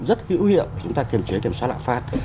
rất hữu hiệu để chúng ta kiểm chế kiểm soát lãng phát